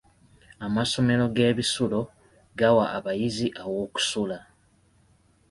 Amasomero g'ebisulo gawa abayizi aw'okusula.